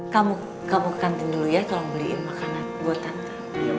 kamu ke kantin dulu ya tolong beliin makanan buat tante